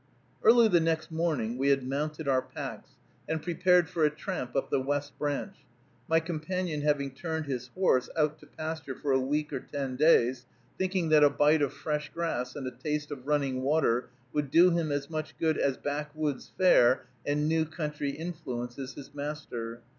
Early the next morning we had mounted our packs, and prepared for a tramp up the West Branch, my companion having turned his horse out to pasture for a week or ten days, thinking that a bite of fresh grass and a taste of running water would do him as much good as backwoods fare and new country influences his master.